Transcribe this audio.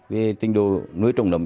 về trình độ nối trồng nấm